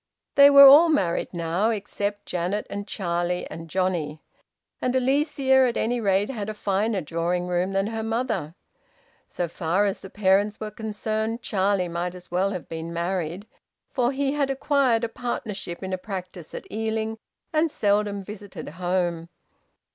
They were all married now, except Janet and Charlie and Johnnie; and Alicia at any rate had a finer drawing room than her mother. So far as the parents were concerned Charlie might as well have been married, for he had acquired a partnership in a practice at Ealing and seldom visited home.